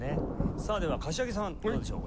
さあでは柏木さんどうでしょう？